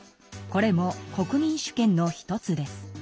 これも国民主権の１つです。